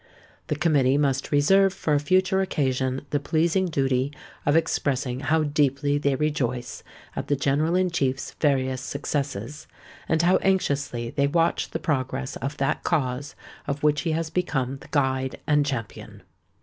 The Committee must reserve for a future occasion the pleasing duty of expressing how deeply they rejoice at the General in Chief's various successes, and how anxiously they watch the progress of that cause of which he has become the guide and champion.